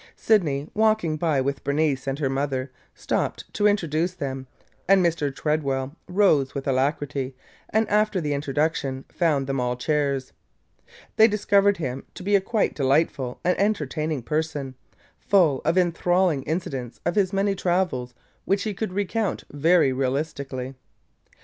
Sydney, walking by with Bernice and her mother, stopped to introduce them, and Mr. Tredwell rose with alacrity and after the introduction found them all chairs. They discovered him to be a quite delightful and entertaining person, full of enthralling incidents of his many travels which he could recount very realistically.